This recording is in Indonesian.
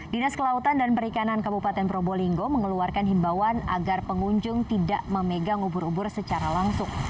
dinas kelautan dan perikanan kabupaten probolinggo mengeluarkan himbawan agar pengunjung tidak memegang ubur ubur secara langsung